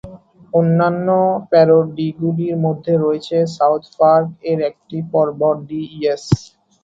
অন্যান্য প্যারোডিগুলির মধ্যে রয়েছে "সাউথ পার্ক" এর একটি পর্ব "ডি-ইয়েস!